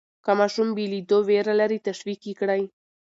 که ماشوم بېلېدو وېره لري، تشویق یې کړئ.